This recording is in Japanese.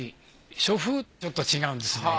書風ちょっと違うんですね。